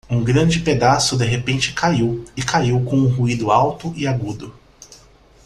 Um grande pedaço de repente caiu e caiu com um ruído alto e agudo.